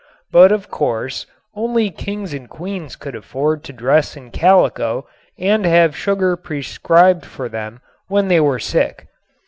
But of course only kings and queens could afford to dress in calico and have sugar prescribed for them when they were sick.